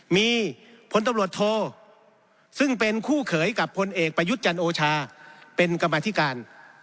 มีพลตำรวจโทซึ่งเป็นคู่เขยกับพลเอกประยุทธ์จันโอชาเป็นกรรมธิการ